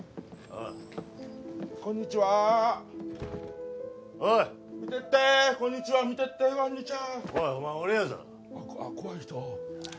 あっ怖い人？